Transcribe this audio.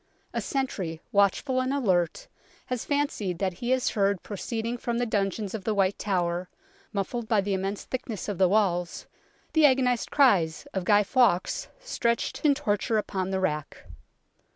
A sentry, watchful and alert, has fancied that he has heard proceed ing from the dungeons of the White Tower, muffled by the immense thickness of the walls, the agonized cries of Guy Fawkes, stretched in torture upon the rack.